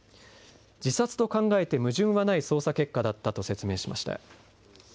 自殺と考えて矛盾はない捜査結果だったと説明しました。